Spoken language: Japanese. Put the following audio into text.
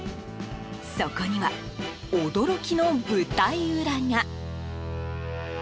そこには驚きの舞台裏が。